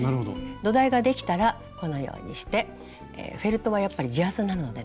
土台ができたらこのようにしてフェルトはやっぱり地厚なのでね